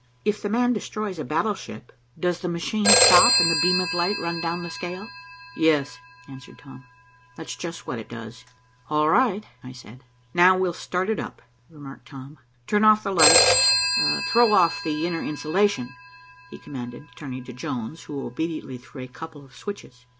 "If 'the man' destroys a battleship, does the machine stop and the beam of light run down the scale." "Yes," answered Tom. "That's just what it does." "All right," I said. "Now, we'll start up," remarked Tom. "Turn off the lights, throw off the inner insulation," he commanded, turning to Jones, who obediently threw a couple of switches.